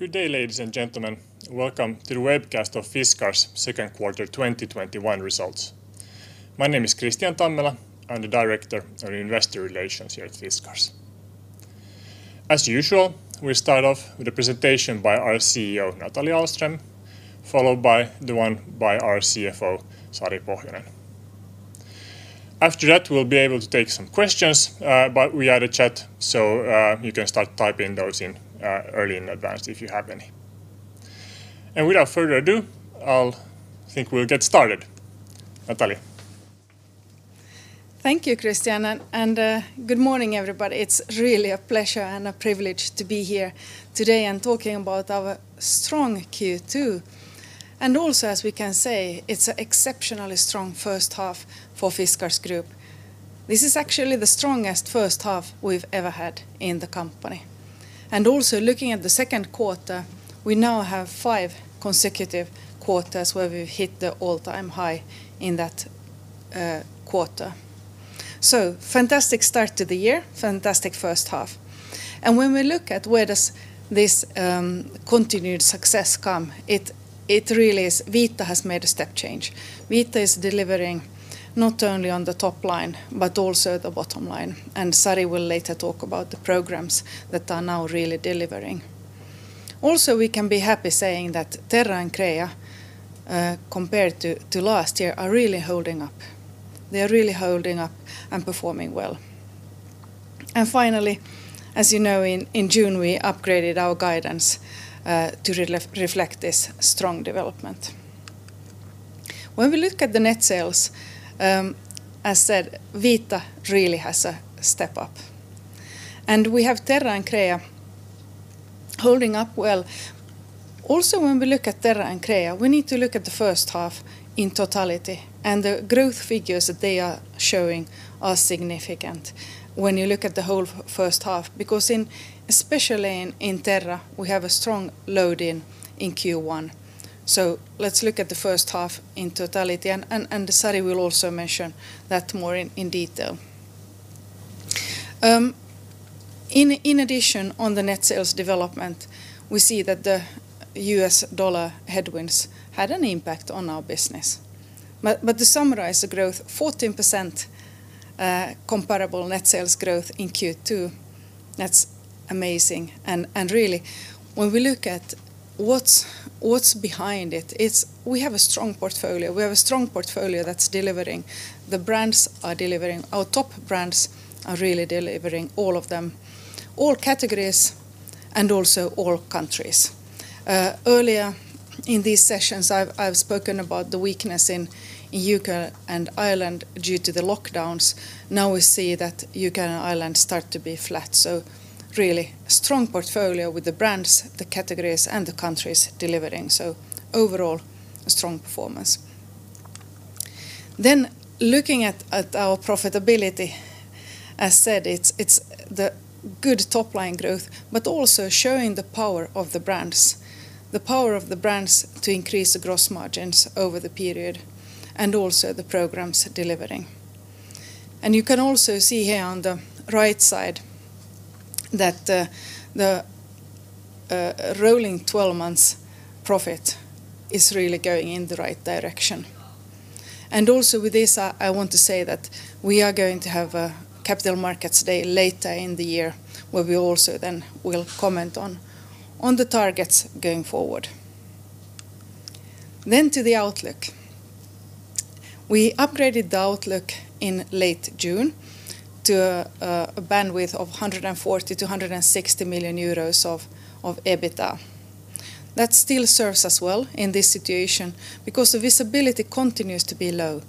Good day, ladies and gentlemen. Welcome to the webcast of Fiskars Q2 quarter 2021 results. My name is Kristian Tammela. I'm the Director of Investor Relations here at Fiskars. As usual, we start off with a presentation by our CEO, Nathalie Ahlström, followed by the one by our CFO, Sari Pohjonen. After that, we'll be able to take some questions, but we add a chat, so you can start typing those in early in advance if you have any. Without further ado, I think we'll get started. Nathalie. Thank you, Kristian. Good morning, everybody. It's really a pleasure and a privilege to be here today and talking about our strong Q2. Also, as we can say, it's an exceptionally strong first half for Fiskars Group. This is actually the strongest first half we've ever had in the company. Also looking at the Q2, we now have five consecutive quarters where we've hit the all-time high in that quarter. Fantastic start to the year, fantastic first half. When we look at where does this continued success come, it really is Vita has made a step change. Vita is delivering not only on the top line but also the bottom line, and Sari will later talk about the programs that are now really delivering. Also, we can be happy saying that Terra and Crea, compared to last year, are really holding up. They are really holding up and performing well. Finally, as you know, in June, we upgraded our guidance, to reflect this strong development. When we look at the net sales, as said, Vita really has a step up, and we have Terra and Crea holding up well. Also, when we look at Terra and Crea, we need to look at the first half in totality, and the growth figures that they are showing are significant when you look at the whole first half, because especially in Terra, we have a strong load in Q1. Let's look at the first half in totality and Sari will also mention that more in detail. In addition on the net sales development, we see that the US dollar headwinds had an impact on our business. To summarize the growth, 14% comparable net sales growth in Q2, that's amazing. Really when we look at what's behind it, we have a strong portfolio. We have a strong portfolio that's delivering. The brands are delivering. Our top brands are really delivering, all of them, all categories, and also all countries. Earlier in these sessions, I've spoken about the weakness in UK and Ireland due to the lockdowns. We see that UK and Ireland start to be flat. Really strong portfolio with the brands, the categories, and the countries delivering. Overall, a strong performance. Looking at our profitability, as said, it's the good top-line growth, but also showing the power of the brands to increase the gross margins over the period, and also the programs delivering. You can also see here on the right side that the rolling 12 months profit is really going in the right direction. Also with this, I want to say that we are going to have a capital markets day later in the year, where we also then will comment on the targets going forward. To the outlook. We upgraded the outlook in late June to a bandwidth of 140 to 160 million of EBITA. That still serves us well in this situation because the visibility continues to be low.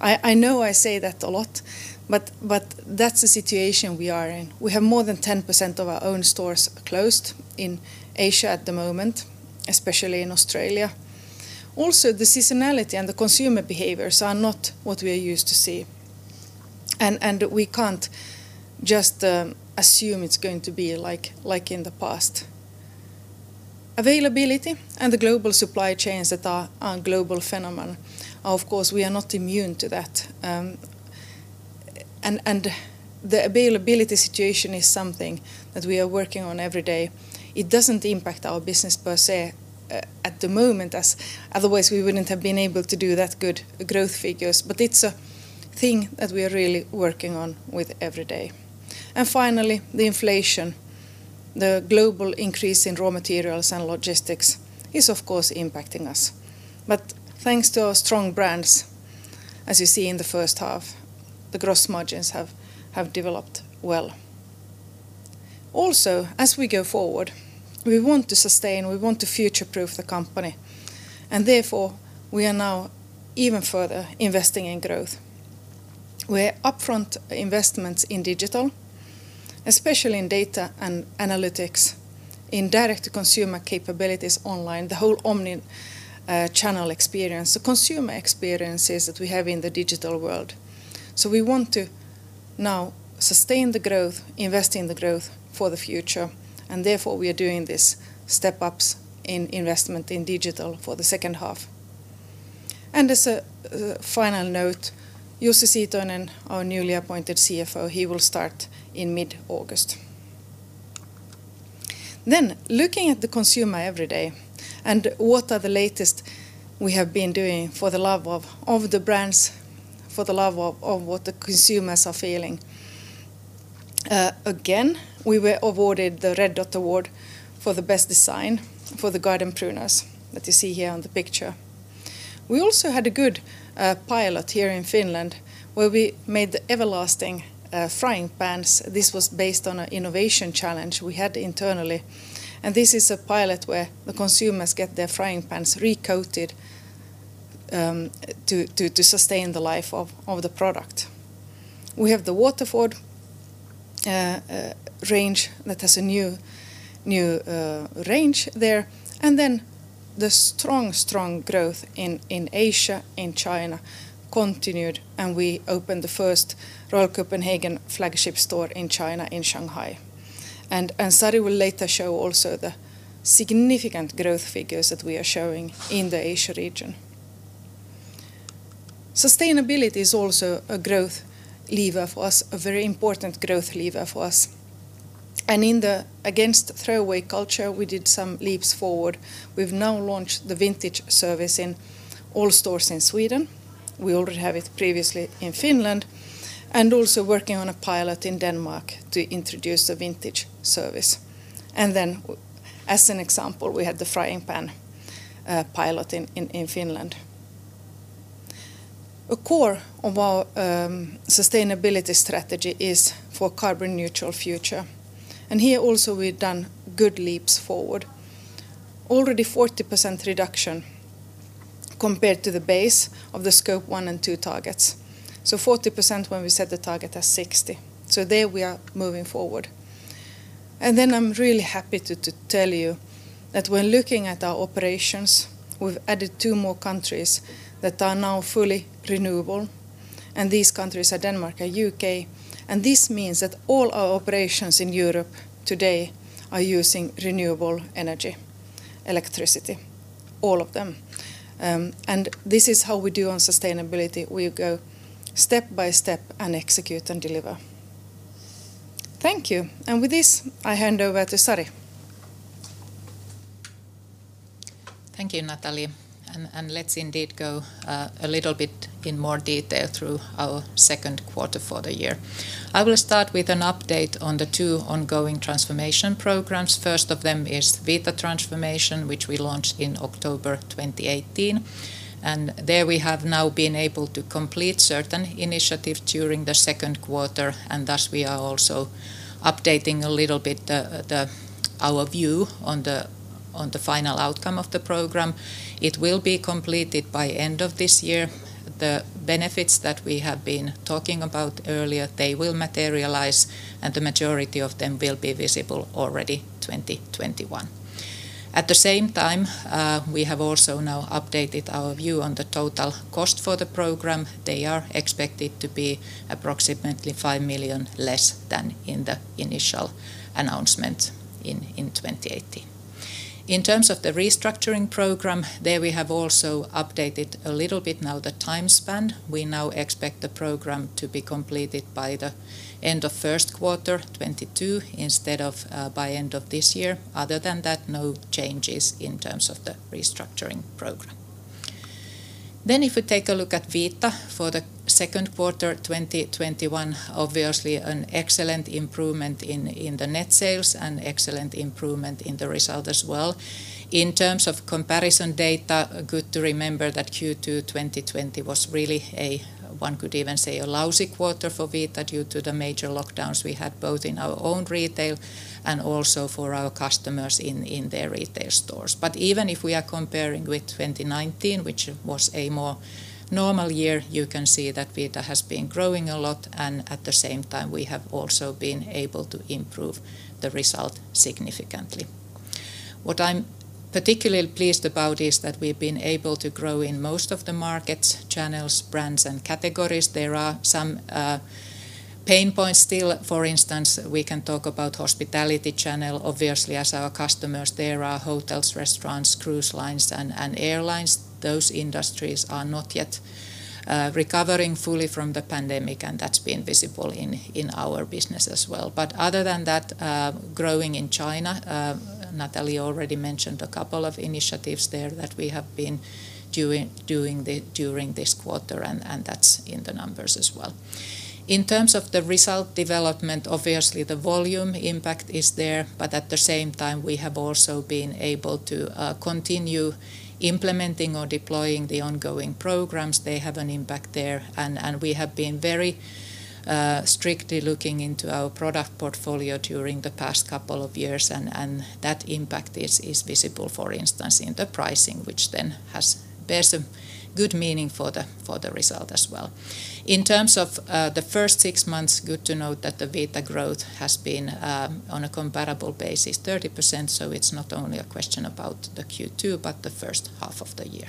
I know I say that a lot, but that's the situation we are in. We have more than 10% of our own stores closed in Asia at the moment, especially in Australia. The seasonality and the consumer behaviors are not what we are used to see, and we can't just assume it's going to be like in the past. Availability and the global supply chains that are a global phenomenon, of course, we are not immune to that. The availability situation is something that we are working on every day. It doesn't impact our business per se at the moment, as otherwise we wouldn't have been able to do that good growth figures. It's a thing that we are really working on with every day. Finally, the inflation. The global increase in raw materials and logistics is, of course, impacting us. Thanks to our strong brands, as you see in the first half, the gross margins have developed well. As we go forward, we want to sustain, we want to future-proof the company, and therefore we are now even further investing in growth, where upfront investments in digital, especially in data and analytics, in direct-to-consumer capabilities online, the whole omni-channel experience, the consumer experiences that we have in the digital world. We want to now sustain the growth, invest in the growth for the future, and therefore we are doing these step-ups in investment in digital for the second half. As a final note, Jussi Siitonen, our newly appointed CFO, will start in mid-August. Looking at the consumer every day and what are the latest we have been doing for the love of the brands, for the love of what the consumers are feeling. We were awarded the Red Dot Design Award for the best design for the garden pruners that you see here on the picture. We also had a good pilot here in Finland where we made the everlasting frying pans. This was based on an innovation challenge we had internally. This is a pilot where the consumers get their frying pans recoated to sustain the life of the product. The Waterford range that has a new range there. The strong growth in Asia, in China continued, and we opened the first Royal Copenhagen flagship store in China, in Shanghai. Sari will later show also the significant growth figures that we are showing in the Asia region. Sustainability is also a very important growth lever for us. In the against throwaway culture, we did some leaps forward. We've now launched the vintage service in all stores in Sweden. We already have it previously in Finland, and also working on a pilot in Denmark to introduce a vintage service. As an example, we had the frying pan pilot in Finland. A core of our sustainability strategy is for carbon neutral future, and here also, we've done good leaps forward. Already 40% reduction compared to the base of the Scope 1 and 2 targets. 40% when we set the target as 60%. There we are moving forward. Then I'm really happy to tell you that when looking at our operations, we've added two more countries that are now fully renewable, and these countries are Denmark and UK. This means that all our operations in Europe today are using renewable energy electricity, all of them. This is how we do on sustainability. We go step by step and execute and deliver. Thank you. With this, I hand over to Sari. Thank you, Nathalie. Let's indeed go a little bit in more detail through our Q2 for the year. I will start with an update on the two ongoing transformation programs. First of them is Vita Transformation, which we launched in October 2018. There we have now been able to complete certain initiatives during the Q2, and thus we are also updating a little bit our view on the final outcome of the program. It will be completed by end of this year. The benefits that we have been talking about earlier, they will materialize, and the majority of them will be visible already 2021. At the same time, we have also now updated our view on the total cost for the program. They are expected to be approximately 5 million less than in the initial announcement in 2018. In terms of the restructuring program, there we have also updated a little bit now the time span. We now expect the program to be completed by the end of Q1 2022 instead of by end of this year. Other than that, no changes in terms of the restructuring program. If we take a look at Vita for the Q2 2021, obviously an excellent improvement in the net sales and excellent improvement in the result as well. In terms of comparison data, good to remember that Q2 2020 was really a, one could even say, a lousy quarter for Vita due to the major lockdowns we had both in our own retail and also for our customers in their retail stores. Even if we are comparing with 2019, which was a more normal year, you can see that Vita has been growing a lot, and at the same time, we have also been able to improve the result significantly. What I’m particularly pleased about is that we’ve been able to grow in most of the markets, channels, brands, and categories. There are some pain points still. For instance, we can talk about hospitality channel, obviously as our customers, there are hotels, restaurants, cruise lines, and airlines. Those industries are not yet recovering fully from the pandemic, and that’s been visible in our business as well. Other than that, growing in China, Nathalie already mentioned a couple of initiatives there that we have been doing during this quarter, and that’s in the numbers as well. In terms of the result development, obviously the volume impact is there, but at the same time, we have also been able to continue implementing or deploying the ongoing programs. They have an impact there, and we have been very strictly looking into our product portfolio during the past couple of years, and that impact is visible, for instance, in the pricing, which then bears a good meaning for the result as well. In terms of the first six months, good to note that the Vita growth has been on a comparable basis, 30%, so it's not only a question about the Q2, but the first half of the year.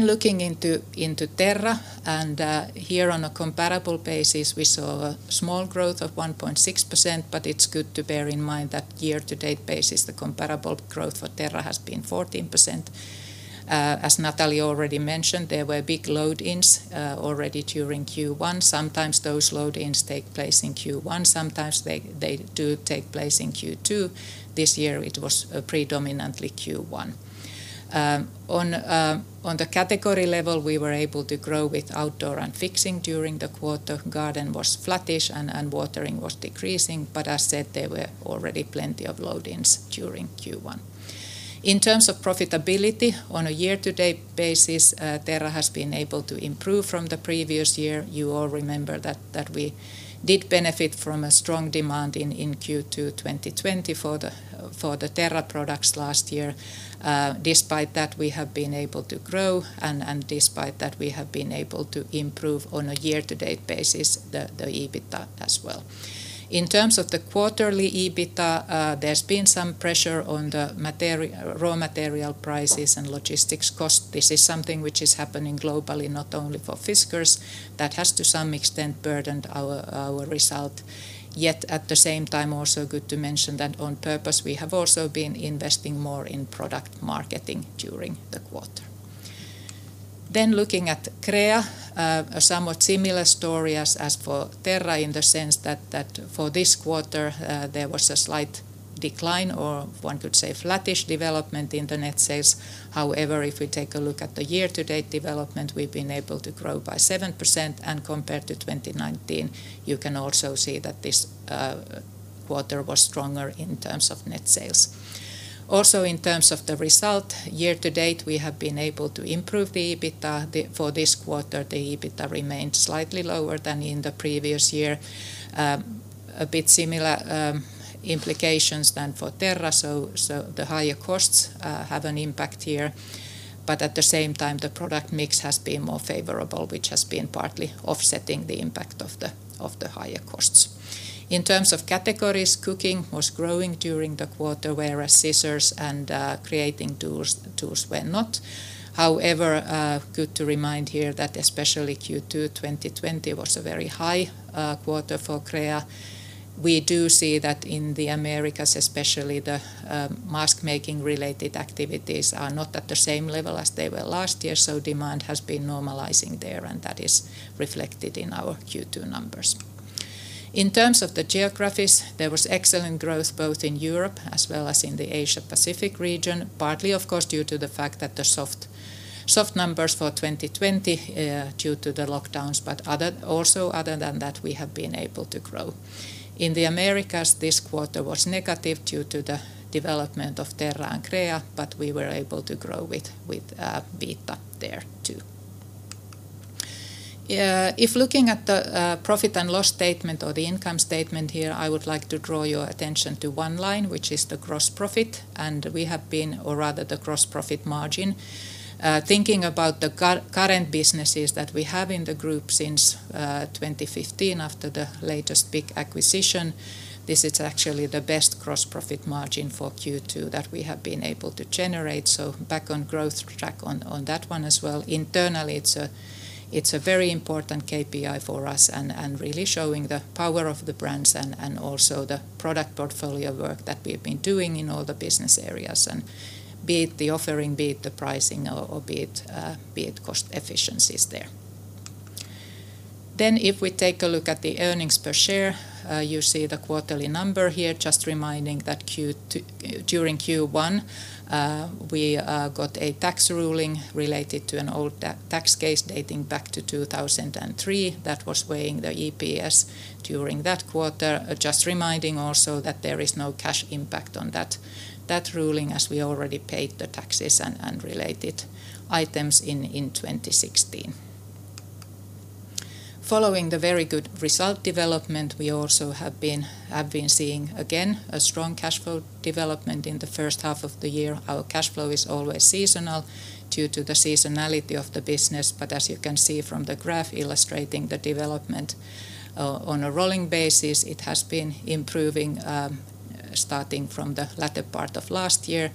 Looking into Terra, and here on a comparable basis, we saw a small growth of 1.6%, but it's good to bear in mind that year-to-date basis, the comparable growth for Terra has been 14%. As Nathalie already mentioned, there were big load-ins already during Q1. Sometimes those load-ins take place in Q1, sometimes they do take place in Q2. This year it was predominantly Q1. On the category level, we were able to grow with outdoor and fixing during the quarter. Garden was flattish and watering was decreasing, as said, there were already plenty of load-ins during Q1. In terms of profitability on a year-to-date basis, Terra has been able to improve from the previous year. You all remember that we did benefit from a strong demand in Q2 2020 for the Terra products last year. Despite that, we have been able to grow and despite that we have been able to improve on a year-to-date basis the EBITA as well. In terms of the quarterly EBITA, there's been some pressure on the raw material prices and logistics cost. This is something which is happening globally, not only for Fiskars. That has to some extent burdened our result. At the same time, also good to mention that on purpose, we have also been investing more in product marketing during the quarter. Looking at Crea. A somewhat similar story as for Terra in the sense that for this quarter, there was a slight decline or one could say flattish development in the net sales. If we take a look at the year-to-date development, we've been able to grow by 7% and compared to 2019, you can also see that this quarter was stronger in terms of net sales. In terms of the result year-to-date, we have been able to improve the EBITA. For this quarter, the EBITA remained slightly lower than in the previous year. A bit similar implications than for Terra, the higher costs have an impact here. At the same time, the product mix has been more favorable, which has been partly offsetting the impact of the higher costs. In terms of categories, cooking was growing during the quarter, whereas scissors and creating tools were not. However, good to remind here that especially Q2 2020 was a very high quarter for Crea. We do see that in the Americas, especially the mask-making related activities are not at the same level as they were last year, demand has been normalizing there, and that is reflected in our Q2 numbers. In terms of the geographies, there was excellent growth both in Europe as well as in the Asia Pacific region. Partly, of course, due to the fact that the soft numbers for 2020 due to the lockdowns, but also other than that, we have been able to grow. In the Americas, this quarter was negative due to the development of Terra and Crea, but we were able to grow with Vita there too. If looking at the profit and loss statement or the income statement here, I would like to draw your attention to one line, which is the gross profit. Or rather the gross profit margin. Thinking about the current businesses that we have in the group since 2015, after the latest big acquisition, this is actually the best gross profit margin for Q2 that we have been able to generate. Back on growth track on that one as well. Internally, it's a very important KPI for us and really showing the power of the brands and also the product portfolio work that we've been doing in all the business areas, and be it the offering, be it the pricing or be it cost efficiencies there. If we take a look at the earnings per share, you see the quarterly number here. Just reminding that during Q1, we got a tax ruling related to an old tax case dating back to 2003 that was weighing the EPS during that quarter. Just reminding also that there is no cash impact on that ruling as we already paid the taxes and related items in 2016. Following the very good result development, we also have been seeing, again, a strong cash flow development in the first half of the year. Our cash flow is always seasonal due to the seasonality of the business, but as you can see from the graph illustrating the development on a rolling basis, it has been improving starting from the latter part of last year,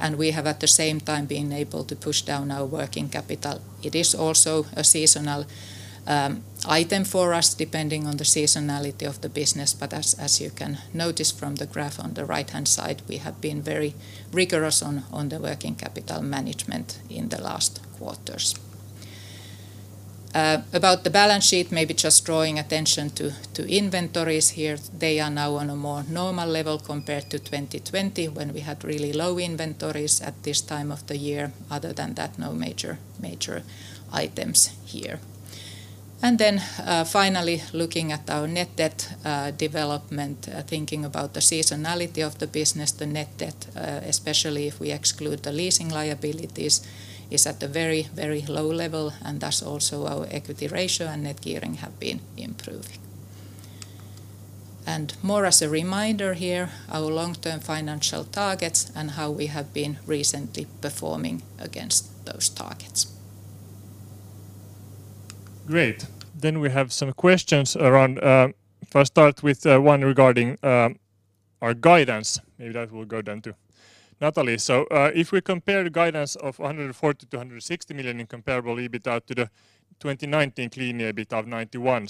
and we have at the same time been able to push down our working capital. It is also a seasonal item for us, depending on the seasonality of the business. As you can notice from the graph on the right-hand side, we have been very rigorous on the working capital management in the last quarters. About the balance sheet, maybe just drawing attention to inventories here. They are now on a more normal level compared to 2020 when we had really low inventories at this time of the year. Other than that, no major items here. Finally, looking at our net debt development, thinking about the seasonality of the business, the net debt, especially if we exclude the leasing liabilities, is at a very low level, and thus also our equity ratio and net gearing have been improving. More as a reminder here, our long-term financial targets and how we have been recently performing against those targets. Great. We have some questions. I'll start with one regarding our guidance. Maybe that will go then to Nathalie. If we compare the guidance of 140-160 million in comparable EBITA to the 2019 clean EBITA of 91,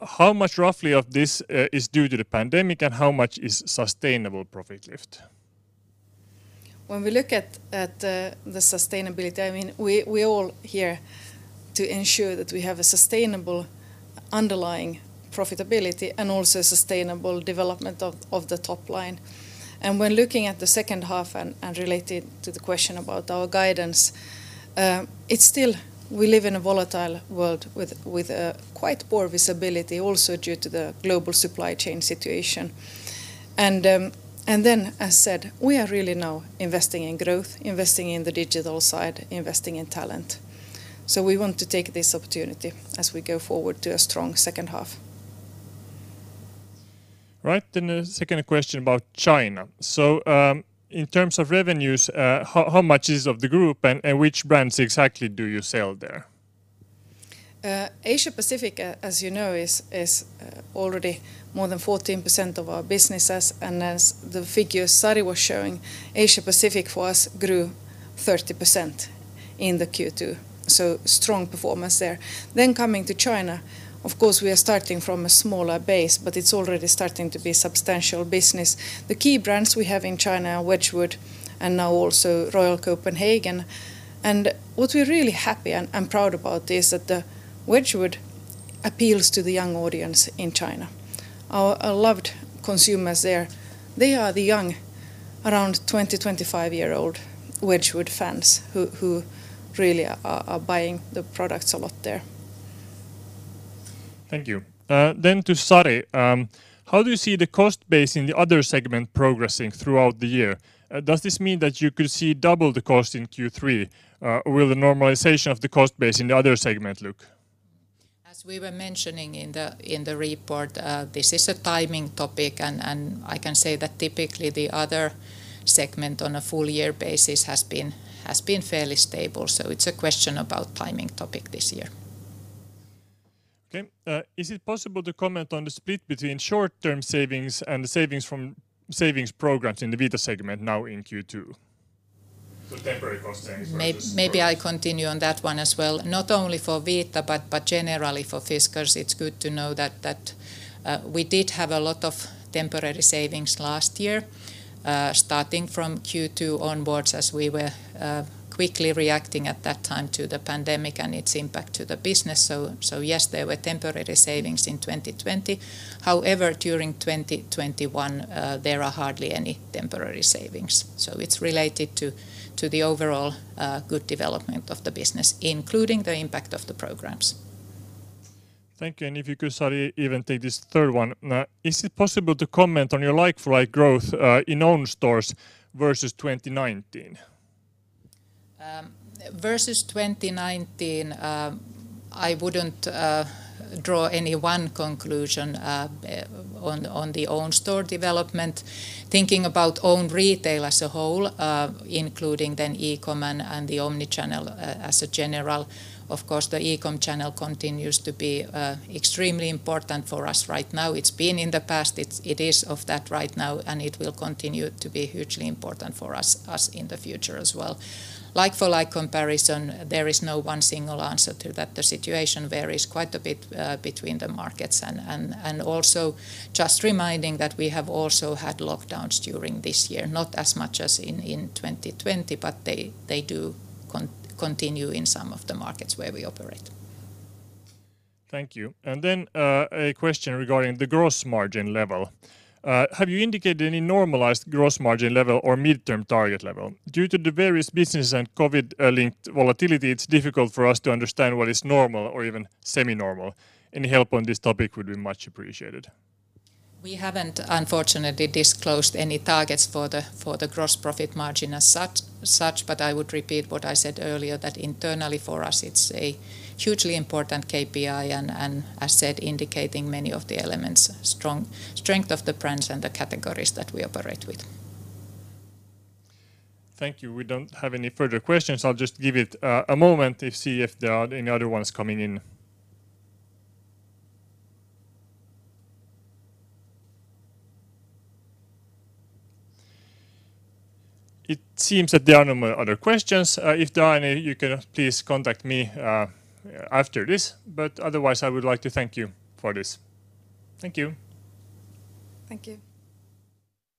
how much roughly of this is due to the pandemic, and how much is sustainable profit lift? When we look at the sustainability, we are all here to ensure that we have a sustainable underlying profitability and also sustainable development of the top line. When looking at the second half and related to the question about our guidance, we live in a volatile world with quite poor visibility, also due to the global supply chain situation. As said, we are really now investing in growth, investing in the digital side, investing in talent. We want to take this opportunity as we go forward to a strong second half. Right. The second question about China. In terms of revenues, how much is of the group and which brands exactly do you sell there? Asia Pacific, as you know, is already more than 14% of our businesses, and as the figures Sari was showing, Asia Pacific for us grew 30% in the Q2. Strong performance there. Coming to China, of course, we are starting from a smaller base, but it's already starting to be substantial business. The key brands we have in China are Wedgwood and now also Royal Copenhagen. What we're really happy and proud about is that Wedgwood appeals to the young audience in China. Our loved consumers there, they are the young, around 20, 25-year-old Wedgwood fans who really are buying the products a lot there. Thank you. To Sari, how do you see the cost base in the other segment progressing throughout the year? Does this mean that you could see double the cost in Q3? Will the normalization of the cost base in the other segment look? As we were mentioning in the report, this is a timing topic. I can say that typically the other segment on a full year basis has been fairly stable. It's a question about timing topic this year. Okay. Is it possible to comment on the split between short-term savings and the savings from savings programs in the Vita segment now in Q2? Maybe I continue on that one as well. Not only for Vita, but generally for Fiskars, it's good to know that we did have a lot of temporary savings last year, starting from Q2 onwards as we were quickly reacting at that time to the pandemic and its impact to the business. Yes, there were temporary savings in 2020. However, during 2021, there are hardly any temporary savings. It's related to the overall good development of the business, including the impact of the programs. Thank you. If you could, Sari, even take this third one. Is it possible to comment on your like-for-like growth in own stores versus 2019? Versus 2019, I wouldn't draw any one conclusion on the own store development. Thinking about own retail as a whole, including then eCom and the omni-channel as a general, of course, the eCom channel continues to be extremely important for us right now. It's been in the past, it is of that right now, and it will continue to be hugely important for us in the future as well. Like-for-like comparison, there is no one single answer to that. The situation varies quite a bit between the markets, and also just reminding that we have also had lockdowns during this year. Not as much as in 2020, but they do continue in some of the markets where we operate. Thank you. A question regarding the gross margin level. Have you indicated any normalized gross margin level or midterm target level? Due to the various business and COVID-linked volatility, it's difficult for us to understand what is normal or even semi-normal. Any help on this topic would be much appreciated. We haven't, unfortunately, disclosed any targets for the gross profit margin as such, but I would repeat what I said earlier that internally for us it's a hugely important KPI, and as said, indicating many of the elements, strength of the brands and the categories that we operate with. Thank you. We don't have any further questions. I'll just give it a moment to see if there are any other ones coming in. It seems that there are no more other questions. If there are any, you can please contact me after this. Otherwise, I would like to thank you for this. Thank you. Thank you.